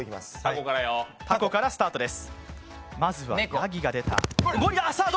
タコからスタートです。